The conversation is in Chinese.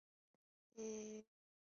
柳田淳一是日本的男性声优。